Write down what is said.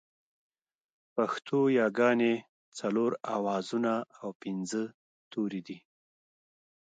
پښتو ياگانې څلور آوازونه او پينځه توري دي